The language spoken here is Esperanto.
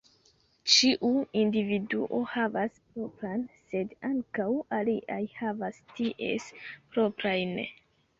Ĉiu individuo havas propran, sed ankaŭ aliaj havas ties proprajn.